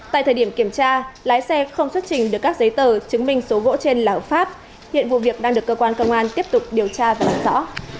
tại thời điểm kiểm tra lái xe không xuất trình được các giấy tờ chứng minh số gỗ trên là hợp pháp hiện vụ việc đang được cơ quan công an tiếp tục điều tra và làm rõ